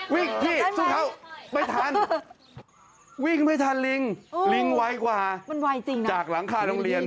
วิ่งสู้เขาไม่ทันวิ่งไม่ทันลิงลิงไว้กว่าจากหลังคาดรงเรียน